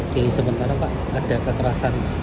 jadi sementara pak ada kekerasan